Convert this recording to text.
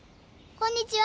こんにちは。